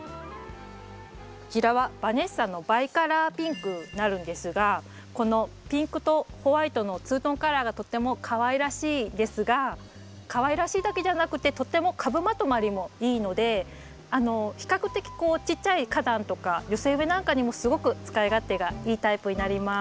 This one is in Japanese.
こちらはバネッサのバイカラーピンクになるんですがこのピンクとホワイトのツートンカラーがとってもかわいらしいですがかわいらしいだけじゃなくてとても株まとまりもいいので比較的ちっちゃい花壇とか寄せ植えなんかにもすごく使い勝手がいいタイプになります。